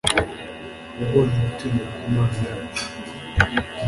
yabonye ugutsinda kw’Imana yacu